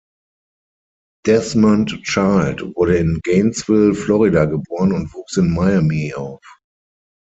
Desmond Child wurde in Gainesville, Florida geboren und wuchs in Miami auf.